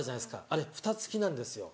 あれフタ付きなんですよ。